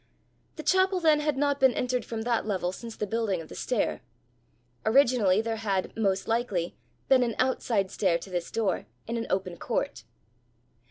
The chapel then had not been entered from that level since the building of the stair. Originally there had, most likely, been an outside stair to this door, in an open court.